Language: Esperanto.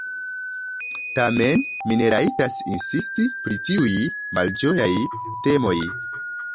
Tamen mi ne rajtas insisti pri tiuj malĝojaj temoj.